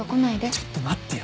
ちょっと待ってよ